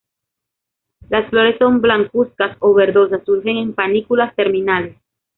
Las flores son blancuzcas o verdosas, surgen en panículas terminales.